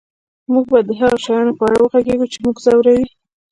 موږ به د هغو شیانو په اړه وغږیږو چې موږ ځوروي